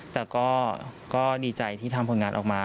แต่ก็ดีใจที่ทำผลงานออกมา